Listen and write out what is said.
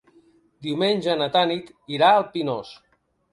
Diumenge na Tanit irà al Pinós.